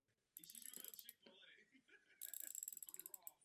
Takové jedince označuje jako morální podnikatele.